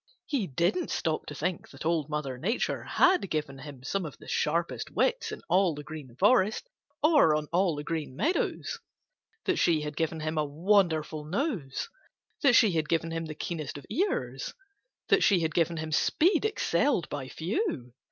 He didn't stop to think that Old Mother Nature had given him some of the sharpest wits in all the Green Forest or on all the Green Meadows; that she had given him a wonderful nose; that she had given him the keenest of ears; that she had given him speed excelled by few.